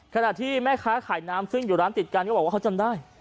ขณะที่แม่ค้าขายน้ำซึ่งอยู่ร้านติดกันก็บอกว่าเขาจำได้